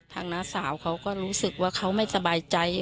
น้าสาวเขาก็รู้สึกว่าเขาไม่สบายใจ